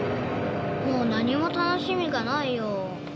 もう何も楽しみがないよ。